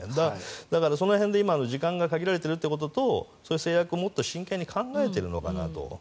だから、その辺で、今の時間が限られているということとそういう制約をもっと真剣に考えているのかと。